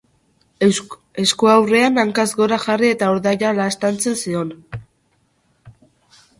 Esku-ahurrean hankaz gora jarri eta urdaila laztantzen zion.